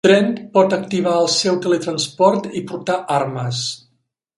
Trent pot activar el seu teletransport i portar armes.